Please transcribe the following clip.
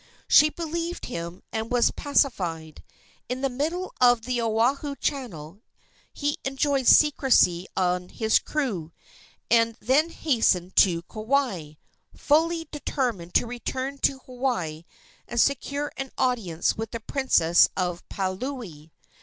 She believed him and was pacified. In the middle of the Oahu channel he enjoined secrecy on his crew, and then hastened to Kauai, fully determined to return to Hawaii and secure an audience with the princess of Paliuli.